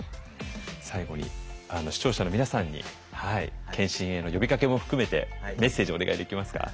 最後に視聴者の皆さんに検診への呼びかけも含めてメッセージをお願いできますか。